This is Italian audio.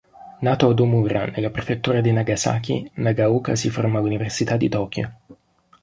Nato ad Ōmura, nella prefettura di Nagasaki, Nagaoka si formò all'Università di Tokyo.